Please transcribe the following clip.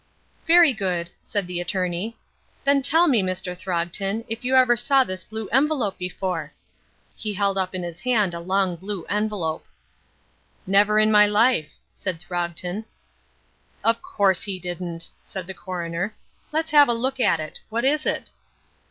"Very good," said the attorney. "Then tell me, Mr. Throgton, if you ever saw this blue envelope before?" He held up in his hand a long blue envelope. "Never in my life," said Throgton. "Of course he didn't," said the coroner. "Let's have a look at it. What is it?"